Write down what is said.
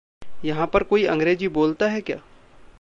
यहाँ पर कोई अंग्रेज़ी बोलता है क्या?